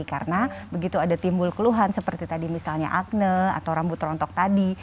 karena begitu ada timbul keluhan seperti tadi misalnya akne atau rambut rontok tadi